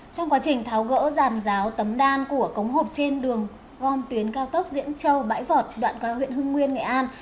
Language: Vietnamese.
trong quá trình tháo gỡ ràn ráo tấm đan của cống hộp trên đường gom tuyến cao tốc diễn châu bãi vọt đoạn coi huyện hưng nguyên nghệ an